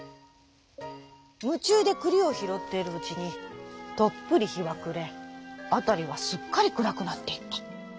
むちゅうでくりをひろっているうちにとっぷりひはくれあたりはすっかりくらくなっていった。